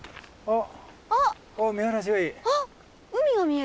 あっ！